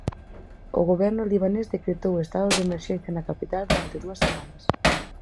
O Goberno libanés decretou o estado de emerxencia na capital durante dúas semanas.